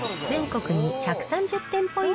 全国に１３０店舗